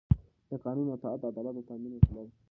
د قانون اطاعت د عدالت د تأمین وسیله ده